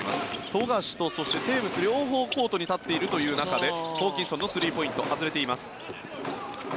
富樫とそしてテーブス、両方コートに立っているという中でホーキンソンのスリーポイント外れています。